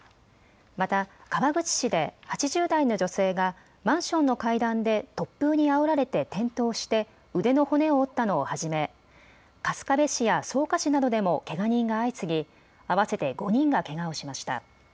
また川口市で８０代の女性がマンションの階段で突風にあおられて転倒して腕の骨を折ったのをはじめ春日部市や草加市などでもけが人が相次ぎ合わせて５人がけがをしました。